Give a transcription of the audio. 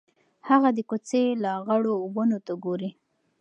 هغه د کوڅې لغړو ونو ته ګوري.